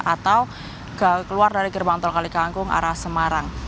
atau keluar dari gerbang tol kalikangkung arah semarang